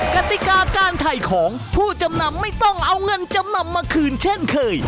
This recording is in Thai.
กติกาการถ่ายของผู้จำนำไม่ต้องเอาเงินจำนำมาคืนเช่นเคย